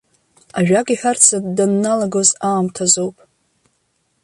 Ажәак иҳәарц данналагоз аамҭазоуп.